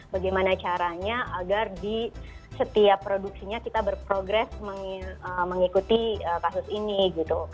bagaimana caranya agar di setiap produksinya kita berprogres mengikuti kasus ini gitu